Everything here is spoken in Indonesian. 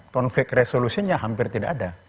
konflik resolusinya hampir tidak ada